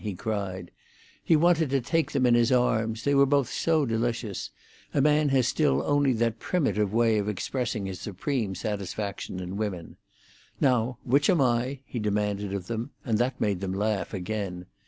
he cried. He wanted to take them in his arms, they were both so delicious; a man has still only that primitive way of expressing his supreme satisfaction in women. "Now, which am I?" he demanded of them, and that made them laugh again.